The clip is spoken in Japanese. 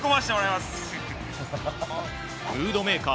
ムードメーカー